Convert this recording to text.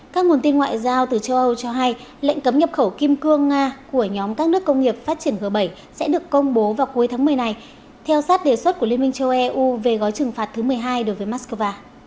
các nguồn tin ngoại giao từ châu âu cho hay lệnh cấm nhập khẩu kim cương nga của nhóm các nước công nghiệp phát triển g bảy sẽ được công bố vào cuối tháng một mươi này theo sát đề xuất của liên minh châu âu về gói trừng phạt thứ một mươi hai đối với moscow